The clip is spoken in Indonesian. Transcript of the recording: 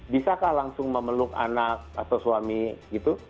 bisakah langsung memeluk anak atau suami gitu